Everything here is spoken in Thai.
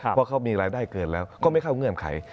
เพราะเขามีรายได้เกินแล้วก็ไม่เข้าเงื่อนไข